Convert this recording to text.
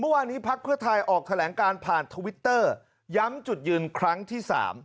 วานี้พักเพื่อไทยออกแถลงการผ่านทวิตเตอร์ย้ำจุดยืนครั้งที่๓